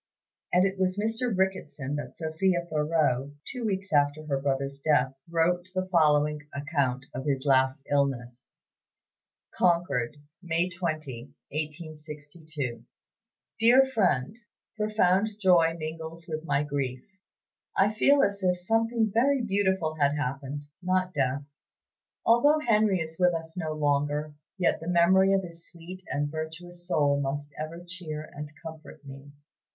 And it was to Mr. Ricketson that Sophia Thoreau, two weeks after her brother's death, wrote the following account of his last illness: "CONCORD, May 20, 1862. "DEAR FRIEND, Profound joy mingles with my grief. I feel as if something very beautiful had happened, not death. Although Henry is with us no longer, yet the memory of his sweet and virtuous soul must ever cheer and comfort me.